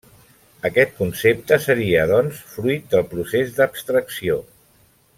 Aquest concepte seria, doncs, fruit del procés d'abstracció.